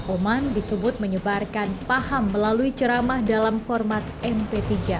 oman disebut menyebarkan paham melalui ceramah dalam format mp tiga